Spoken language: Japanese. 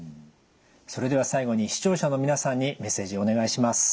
それでは最後に視聴者の皆さんにメッセージお願いします。